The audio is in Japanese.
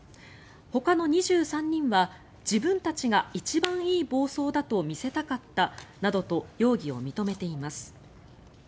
ほかの２３人は自分たちが一番いい暴走だと見せたかったなどと容疑を認めています。